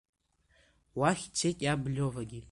Уахь дцеит иаб Лиовагьы.